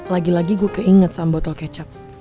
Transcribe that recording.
lagi lagi gue keinget sama botol kecap